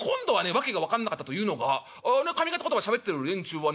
訳が分かんなかったというのが上方言葉をしゃべってる連中はね